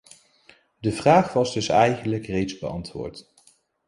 De vraag was dus eigenlijk reeds beantwoord.